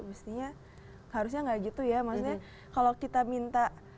mestinya harusnya nggak gitu ya maksudnya kalau kita minta